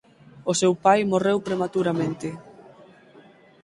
O seu pai morreu prematuramente.